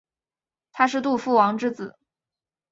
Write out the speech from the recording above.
他是杜夫王之子。